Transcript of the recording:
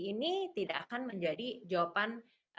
ini tidak akan menjadi jawaban